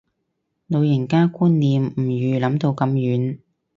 老人家觀念唔預諗到咁遠